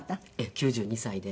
９２歳で。